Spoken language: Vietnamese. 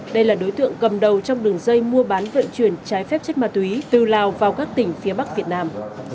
đây là đối tượng cầm đầu trong đường dây mua bán vận chuyển trái phép chất ma túy từ lào vào các tỉnh phía bắc việt nam